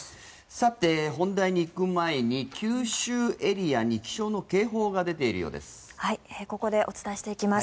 さて、本題に行く前に九州エリアに気象の警報が出ているようです。